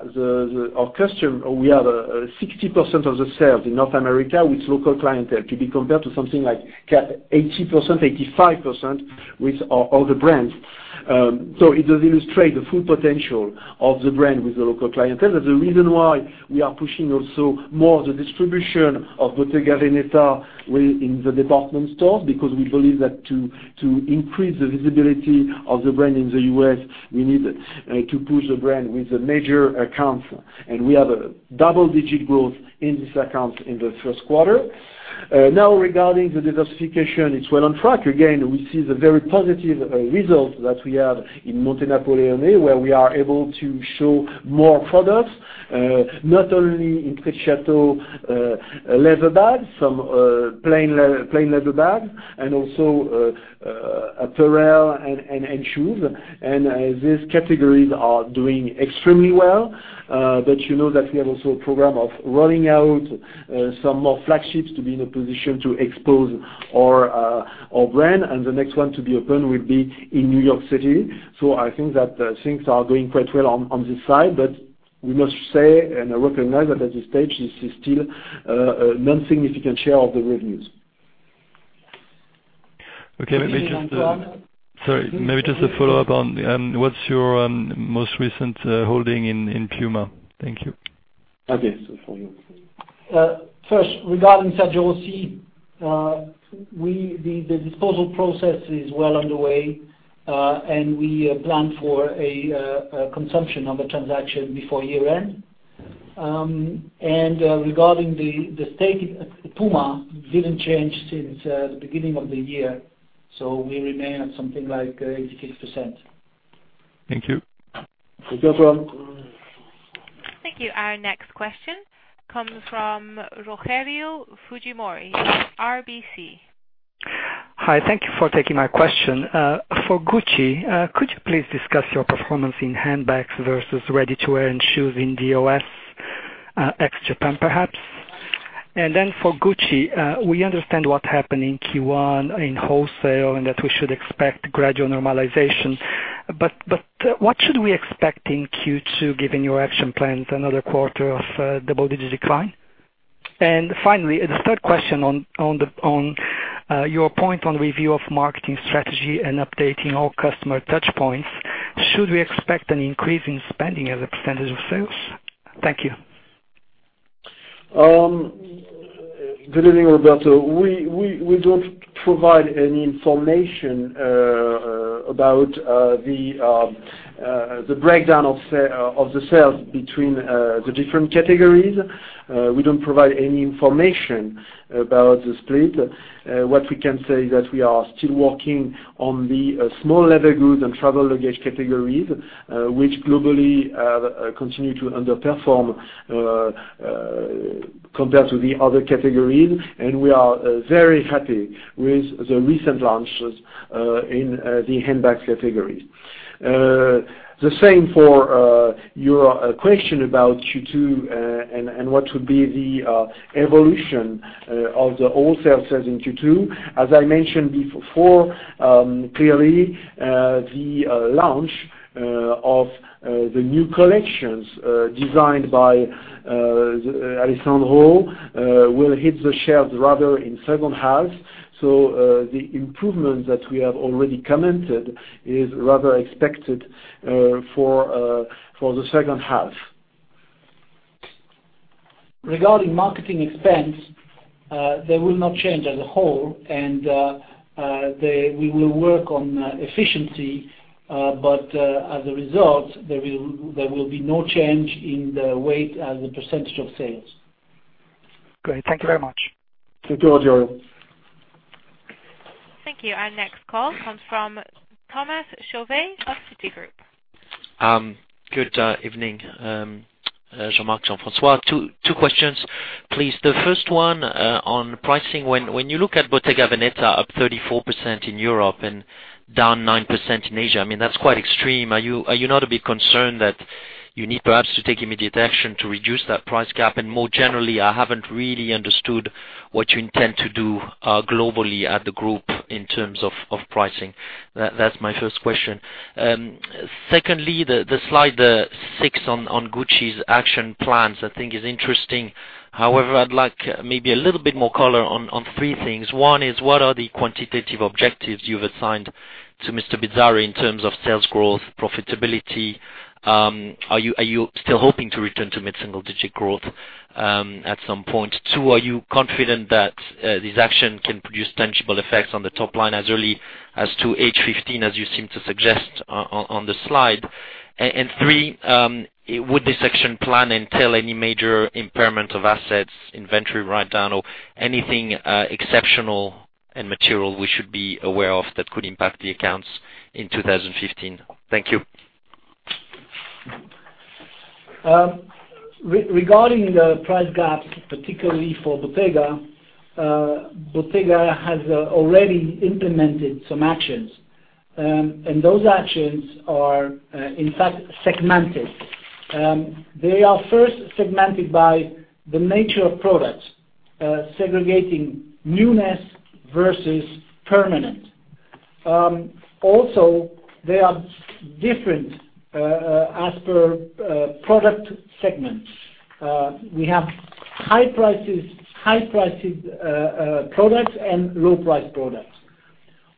our customer, we have 60% of the sales in North America with local clientele to be compared to something like 80%, 85% with all the brands. It does illustrate the full potential of the brand with the local clientele. That's the reason why we are pushing also more the distribution of Bottega Veneta within the department stores, because we believe that to increase the visibility of the brand in the U.S., we need to push the brand with the major accounts. We have a double-digit growth in this account in the first quarter. Regarding the diversification, it's well on track. We see the very positive results that we have in Monte Napoleone, where we are able to show more products, not only leather bags, some plain leather bags, and also apparel and shoes. These categories are doing extremely well. You know we have also a program of rolling out some more flagships to be in a position to expose our brand, and the next one to be open will be in New York City. I think things are going quite well on this side, we must say and recognize at this stage, this is still a non-significant share of the revenues. Okay. Thank you, Antoine. Sorry, maybe just a follow-up on, what's your most recent holding in Puma? Thank you. Okay. For you. First, regarding Sergio Rossi, the disposal process is well underway, and we plan for a consumption of the transaction before year-end. Regarding the stake at Puma, didn't change since the beginning of the year, so we remain at something like 85%. Thank you. Okay. Antoine. Thank you. Our next question comes from Rogelio Fujimori, RBC. Hi. Thank you for taking my question. For Gucci, could you please discuss your performance in handbags versus ready-to-wear and shoes in the Asia, ex-Japan, perhaps? For Gucci, we understand what happened in Q1 in wholesale and that we should expect gradual normalization. What should we expect in Q2, given your action plan, another quarter of double-digit decline? Finally, the third question on your point on review of marketing strategy and updating all customer touchpoints, should we expect an increase in spending as a % of sales? Thank you. Good evening, Rogelio. We don't provide any information about the breakdown of the sales between the different categories. We don't provide any information about the split. What we can say is that we are still working on the small leather goods and travel luggage categories, which globally continue to underperform, compared to the other categories. We are very happy with the recent launches in the handbags categories. The same for your question about Q2, and what would be the evolution of the wholesale sales in Q2. As I mentioned before, clearly, the launch of the new collections designed by Alessandro will hit the shelves rather in second half. The improvement that we have already commented is rather expected for the second half. Regarding marketing expense, they will not change as a whole and we will work on efficiency. As a result, there will be no change in the weight as a % of sales. Great. Thank you very much. Thank you, Rogelio. Thank you. Our next call comes from Thomas Chauvet of Citigroup. Good evening, Jean-Marc, Jean-François. Two questions, please. The first one on pricing. When you look at Bottega Veneta up 34% in Europe and down 9% in Asia, that's quite extreme. Are you not a bit concerned that you need perhaps to take immediate action to reduce that price gap? More generally, I haven't really understood what you intend to do globally at the group in terms of pricing. That's my first question. Secondly, the slide six on Gucci's action plans I think is interesting. I'd like maybe a little bit more color on three things. One is, what are the quantitative objectives you've assigned to Mr. Bizzarri in terms of sales growth, profitability? Are you still hoping to return to mid-single digit growth at some point? Two, are you confident that this action can produce tangible effects on the top line as early as 2H15, as you seem to suggest on the slide? Three, would this action plan entail any major impairment of assets, inventory write-down or anything exceptional and material we should be aware of that could impact the accounts in 2015? Thank you. Regarding the price gaps, particularly for Bottega. Bottega has already implemented some actions, those actions are, in fact, segmented. They are first segmented by the nature of products, segregating newness versus permanent. They are different as per product segments. We have high-priced products and low-priced products.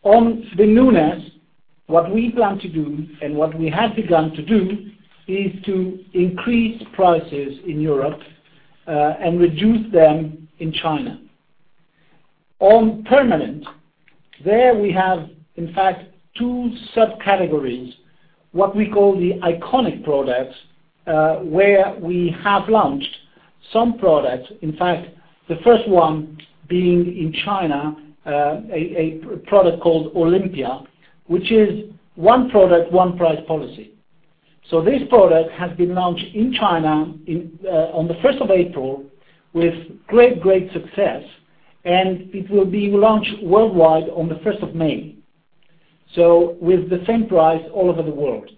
On the newness, what we plan to do and what we have begun to do is to increase prices in Europe, reduce them in China. On permanent, there we have, in fact, two subcategories, what we call the iconic products, where we have launched some products. In fact, the first one being in China, a product called Olympia, which is one product, one price policy. This product has been launched in China on the 1st of April with great success, it will be launched worldwide on the 1st of May. With the same price all over the world.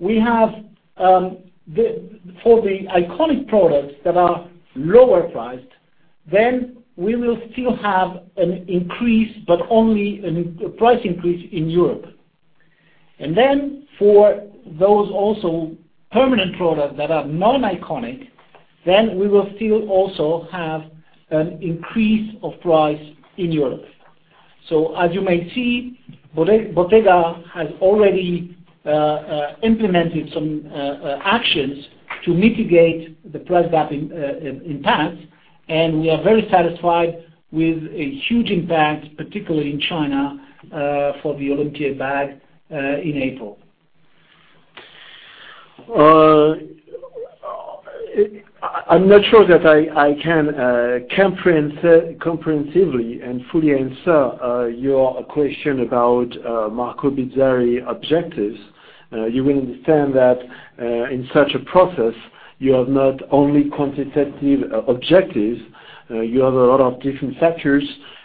We have, for the iconic products that are lower priced, we will still have an increase, but only a price increase in Europe. For those also permanent products that are non-iconic, we will still also have an increase of price in Europe. As you may see, Bottega has already implemented some actions to mitigate the price gap impact, and we are very satisfied with a huge impact, particularly in China, for the Olympia bag in April. I'm not sure that I can comprehensively and fully answer your question about Marco Bizzarri objectives. You will understand that, in such a process, you have not only quantitative objectives. You have a lot of different factors,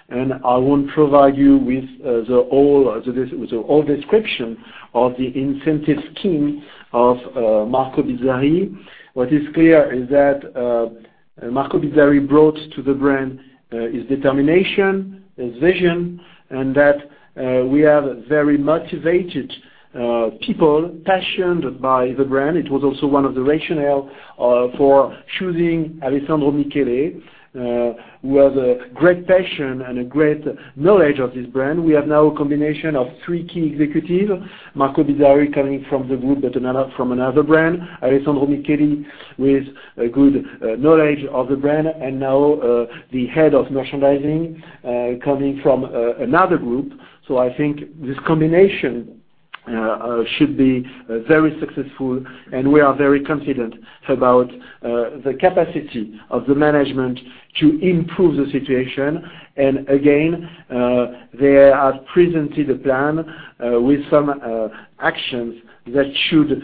and I won't provide you with the whole description of the incentive scheme of Marco Bizzarri. What is clear is that Marco Bizzarri brought to the brand his determination, his vision, and that we have very motivated people, passionate by the brand. It was also one of the rationale for choosing Alessandro Michele, who has a great passion and a great knowledge of this brand. We have now a combination of three key executives, Marco Bizzarri coming from the group, but from another brand, Alessandro Michele with a good knowledge of the brand, and now, the head of merchandising coming from another group. I think this combination should be very successful, and we are very confident about the capacity of the management to improve the situation. Again, they have presented a plan with some actions that should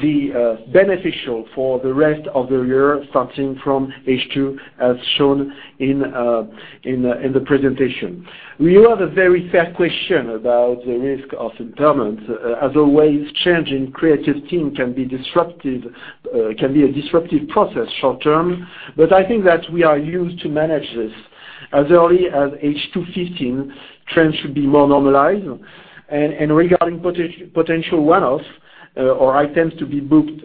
be beneficial for the rest of the year, starting from H2, as shown in the presentation. We have a very fair question about the risk of impairment. As always, change in creative team can be a disruptive process short term, but I think that we are used to manage this. As early as H2 2015, trends should be more normalized. Regarding potential one-offs or items to be booked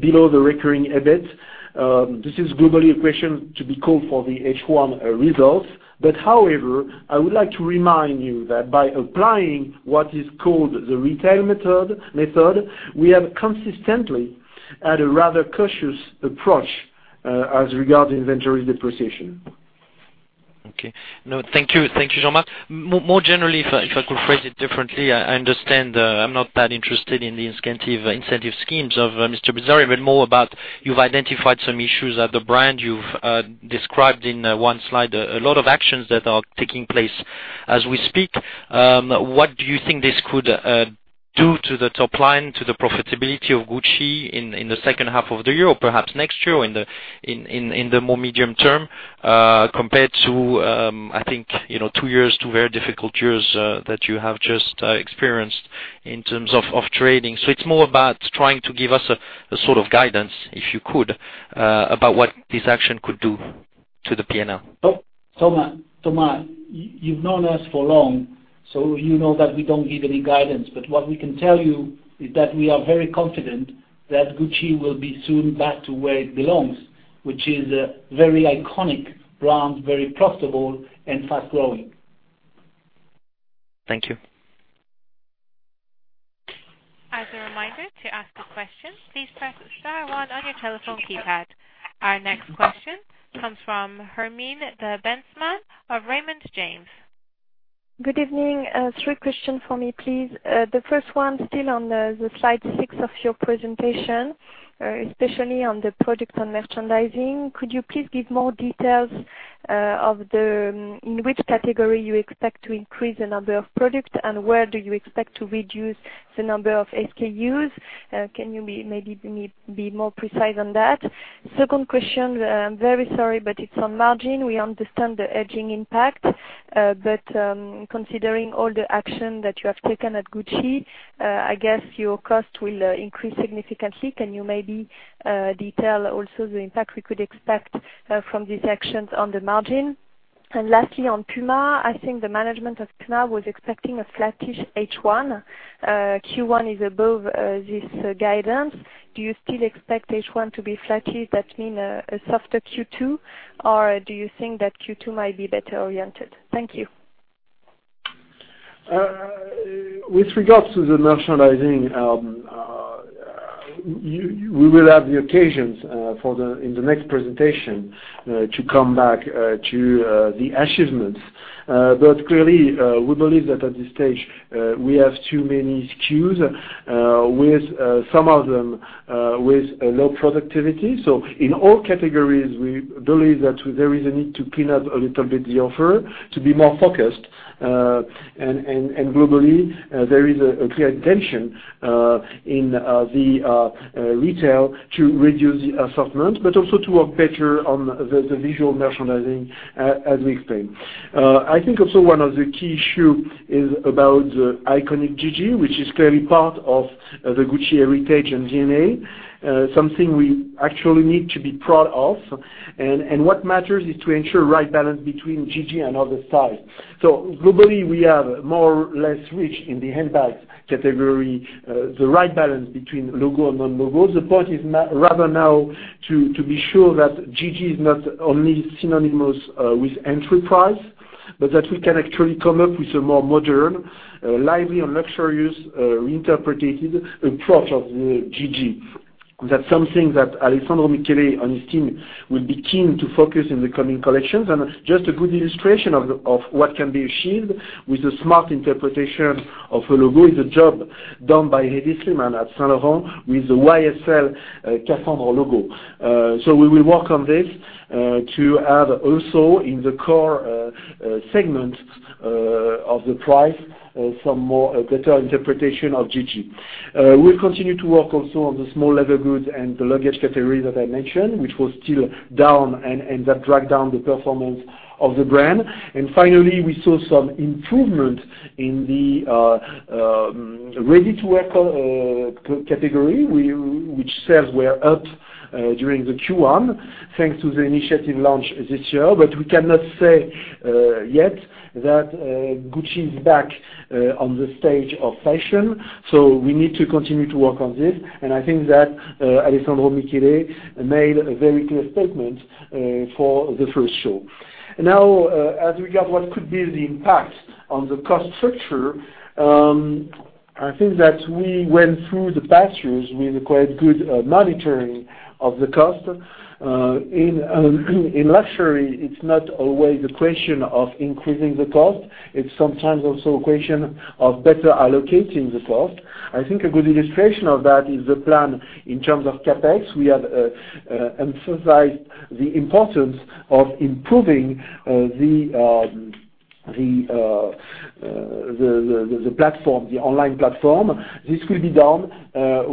below the recurring EBIT, this is globally a question to be called for the H1 results. However, I would like to remind you that by applying what is called the retail method, we have consistently had a rather cautious approach as regarding inventory depreciation. Okay. No, thank you, Jean-Marc. More generally, if I could phrase it differently, I understand. I'm not that interested in the incentive schemes of Mr. Bizzarri, but more about you've identified some issues at the brand. You've described in one slide a lot of actions that are taking place as we speak. What do you think this could do to the top line, to the profitability of Gucci in the second half of the year or perhaps next year or in the more medium term, compared to, I think, two very difficult years that you have just experienced in terms of trading? It's more about trying to give us a sort of guidance, if you could, about what this action could do to the P&L. Thomas, you've known us for long, you know that we don't give any guidance. What we can tell you is that we are very confident that Gucci will be soon back to where it belongs, which is a very iconic brand, very profitable and fast-growing. Thank you. As a reminder, to ask a question, please press star one on your telephone keypad. Our next question comes from Hermine de Bentzmann of Raymond James. Good evening. Three questions for me, please. The first one, still on the slide six of your presentation, especially on the product on merchandising. Could you please give more details of in which category you expect to increase the number of product, and where do you expect to reduce the number of SKUs? Can you maybe be more precise on that? Second question, I'm very sorry, it's on margin. We understand the hedging impact. Considering all the action that you have taken at Gucci, I guess your cost will increase significantly. Can you maybe detail also the impact we could expect from these actions on the margin? Lastly, on Puma, I think the management of Puma was expecting a flattish H1. Q1 is above this guidance. Do you still expect H1 to be flattish? That mean a softer Q2, or do you think that Q2 might be better oriented? Thank you. With regards to the merchandising, we will have the occasions in the next presentation to come back to the achievements. Clearly, we believe that at this stage, we have too many SKUs, with some of them with low productivity. In all categories, we believe that there is a need to clean up a little bit the offer to be more focused. Globally, there is a clear intention in the retail to reduce the assortment, but also to work better on the visual merchandising, as we explained. I think also one of the key issue is about the iconic GG, which is clearly part of the Gucci heritage and DNA, something we actually need to be proud of. What matters is to ensure right balance between GG and other styles. Globally, we have more or less reached in the handbags category, the right balance between logo and non-logo. The point is rather now to be sure that GG is not only synonymous with entry price, but that we can actually come up with a more modern, lively, and luxurious reinterpreted approach of the GG. That's something that Alessandro Michele and his team will be keen to focus on in the coming collections, and just a good illustration of what can be achieved with a smart interpretation of a logo is the job done by Hedi Slimane at Saint Laurent with the YSL Cassandre logo. We will work on this to have also in the core segment of the price, some better interpretation of Gucci. We'll continue to work also on the small leather goods and the luggage category that I mentioned, which was still down, and that dragged down the performance of the brand. Finally, we saw some improvement in the ready-to-wear category, which sales were up during the Q1 thanks to the initiative launch this year. We cannot say yet that Gucci is back on the stage of fashion, so we need to continue to work on this. I think that Alessandro Michele made a very clear statement for the first show. Now, as regard what could be the impact on the cost structure, I think that we went through the past years with quite good monitoring of the cost. In luxury, it's not always a question of increasing the cost. It's sometimes also a question of better allocating the cost. I think a good illustration of that is the plan in terms of CapEx. We have emphasized the importance of improving the online platform. This will be done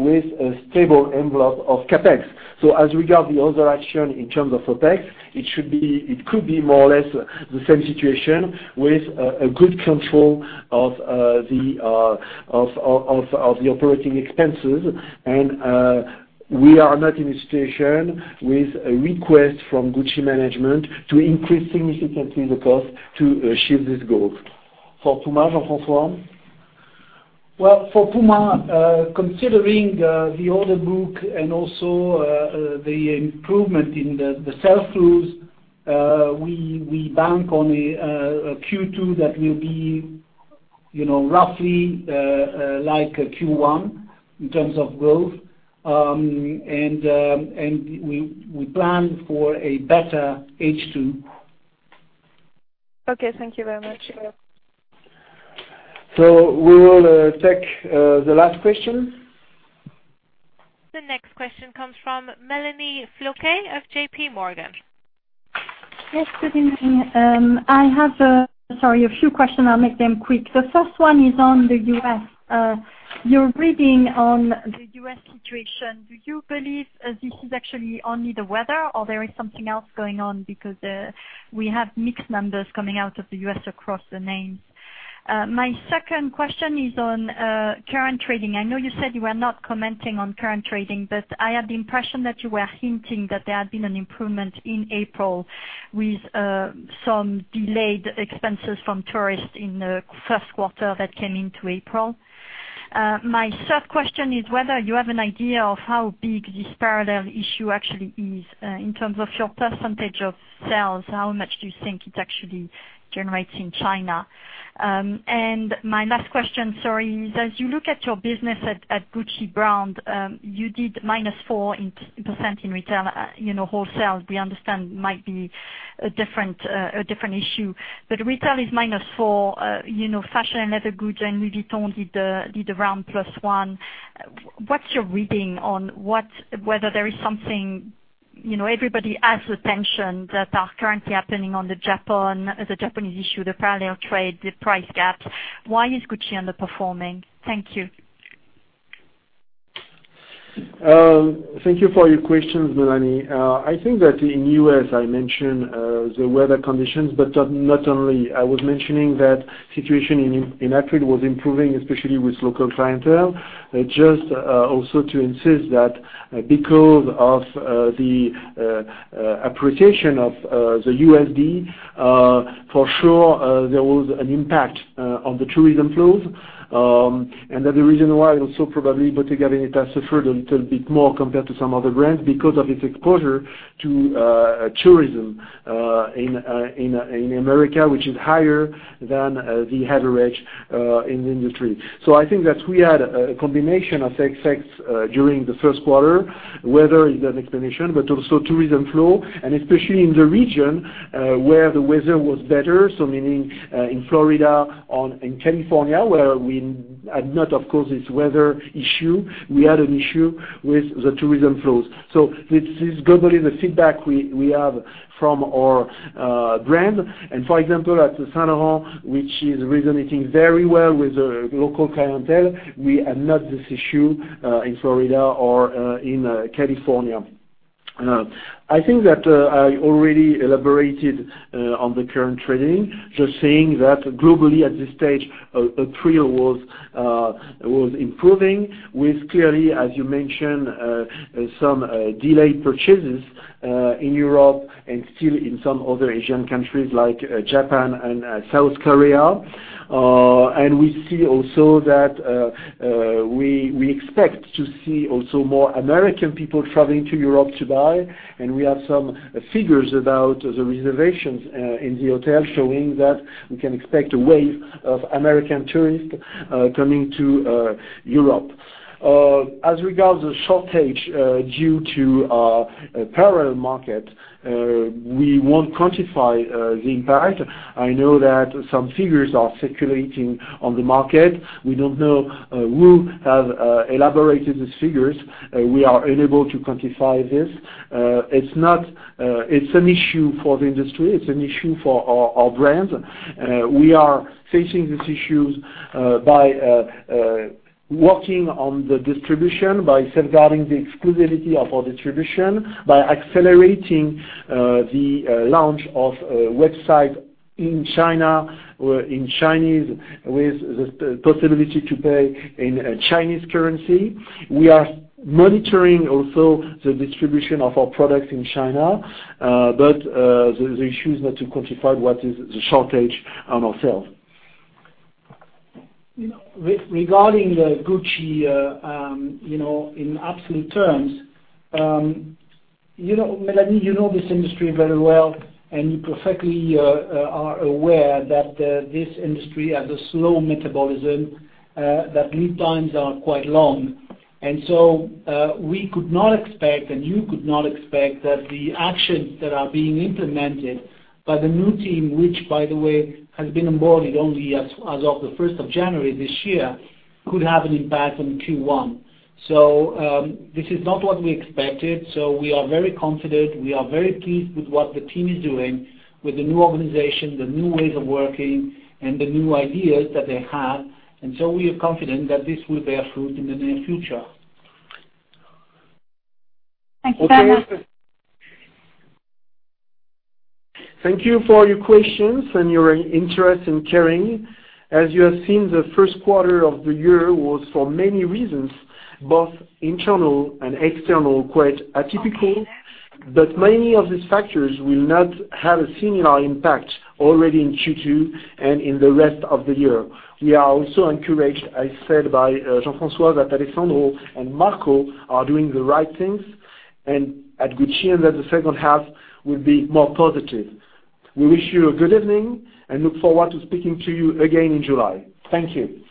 with a stable envelope of CapEx. As we regard the other action in terms of OpEx, it could be more or less the same situation with a good control of the operating expenses. We are not in a situation with a request from Gucci management to increase significantly the cost to achieve this goal. For Puma, Jean-François? Well, for Puma, considering the order book and also the improvement in the sell-throughs, we bank on a Q2 that will be roughly like a Q1 in terms of growth. We plan for a better H2. Okay. Thank you very much. We will take the last question. The next question comes from Melanie Flouquet of JP Morgan. Yes, good evening. I have, sorry, a few questions. I will make them quick. The first one is on the U.S., your reading on the U.S. situation. Do you believe this is actually only the weather, or there is something else going on because we have mixed numbers coming out of the U.S. across the names. My second question is on current trading. I know you said you are not commenting on current trading, but I had the impression that you were hinting that there had been an improvement in April with some delayed purchases from tourists in the first quarter that came into April. My third question is whether you have an idea of how big this parallel issue actually is in terms of your percentage of sales. How much do you think it actually generates in China? My last question, sorry, is as you look at your business at Gucci brand, you did minus 4% in retail. Wholesale, we understand, might be a different issue. Retail is minus 4%, Fashion and Leather Goods and Louis Vuitton did around plus 1%. What's your reading on whether there is something, everybody has the tension that are currently happening on the Japanese issue, the parallel trade, the price gaps. Why is Gucci underperforming? Thank you. Thank you for your questions, Melanie. I think that in U.S., I mentioned the weather conditions, but not only. I was mentioning that situation in April was improving, especially with local clientele. Just also to insist that because of the appreciation of the USD, for sure, there was an impact on the tourism flows. That the reason why also probably Bottega Veneta suffered a little bit more compared to some other brands because of its exposure to tourism in America, which is higher than the average in the industry. I think that we had a combination of effects during the first quarter. Weather is an explanation, but also tourism flow, and especially in the region, where the weather was better, so meaning in Florida or in California, where we had not, of course, this weather issue. We had an issue with the tourism flows. This is globally the feedback we have from our brand. For example, at Saint Laurent, which is resonating very well with the local clientele, we had not this issue in Florida or in California. I think that I already elaborated on the current trading, just saying that globally at this stage, April was improving with clearly, as you mentioned, some delayed purchases in Europe and still in some other Asian countries like Japan and South Korea. We see also that we expect to see also more American people traveling to Europe to buy, and we have some figures about the reservations in the hotel showing that we can expect a wave of American tourists coming to Europe. As regards the shortage due to parallel market, we won't quantify the impact. I know that some figures are circulating on the market. We don't know who has elaborated these figures. We are unable to quantify this. It's an issue for the industry. It's an issue for our brands. We are facing these issues by working on the distribution, by safeguarding the exclusivity of our distribution, by accelerating the launch of a website in China or in Chinese with the possibility to pay in Chinese currency. We are monitoring also the distribution of our products in China. The issue is not to quantify what is the shortage on our sales. Regarding the Gucci, in absolute terms, Melanie, you know this industry very well. You perfectly are aware that this industry has a slow metabolism, that lead times are quite long. We could not expect, and you could not expect that the actions that are being implemented by the new team, which by the way has been onboarded only as of the 1st of January this year, could have an impact on Q1. This is not what we expected. We are very confident. We are very pleased with what the team is doing with the new organization, the new ways of working, and the new ideas that they have. We are confident that this will bear fruit in the near future. Thank you very much. Thank you for your questions and your interest in Kering. As you have seen, the first quarter of the year was, for many reasons, both internal and external, quite atypical. Many of these factors will not have a similar impact already in Q2 and in the rest of the year. We are also encouraged, as said by Jean-François, that Alessandro and Marco are doing the right things at Gucci, and that the second half will be more positive. We wish you a good evening and look forward to speaking to you again in July. Thank you.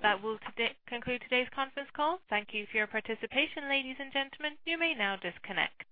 That will conclude today's conference call. Thank you for your participation, ladies and gentlemen. You may now disconnect.